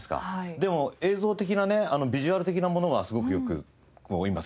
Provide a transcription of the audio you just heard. でも映像的なねビジュアル的なものはすごくよく今伝わってきて。